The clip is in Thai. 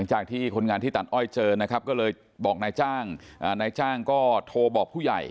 ไว้จากที่คนการที่ตัดอ้อยเจอนะคะก็เลยบอกไน่จ้างไน่จ้างก็โทรบอกผู้ใหญ่